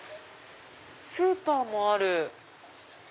スーパーもある。